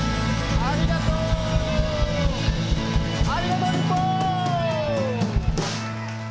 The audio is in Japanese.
ありがとう日本！